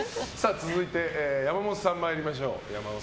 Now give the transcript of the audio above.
続いて、山本さんに参りましょう。